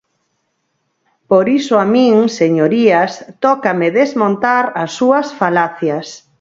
Por iso a min, señorías, tócame desmontar as súas falacias.